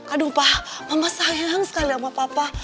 aduh pak mama sayang sekali sama papa